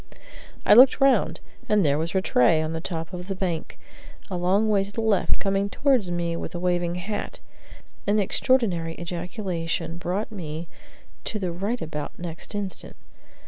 I looked round, and there was Rattray on the top of the bank, a long way to the left, coming towards me with a waving hat. An extraordinary ejaculation brought me to the right about next instant.